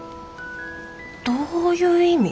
どういう意味？